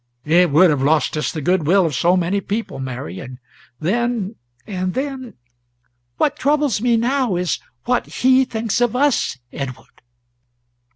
"It would have lost us the good will of so many people, Mary; and then and then " "What troubles me now is, what he thinks of us, Edward."